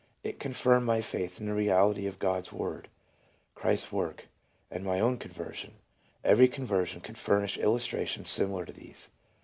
It confirmed my faith in the reality of God's Word, Christ's Work, and my own conversion." Every conversion could furnish illustrations similar to these.